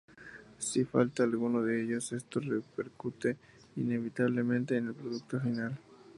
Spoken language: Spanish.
Si falta alguno de ellos, esto repercute inevitablemente en el producto final".